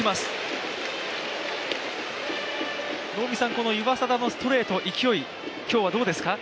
この岩貞のストレート勢い、今日はどうですか？